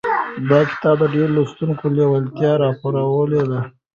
دا کتاب د ډېرو لوستونکو لېوالتیا راپارولې ده.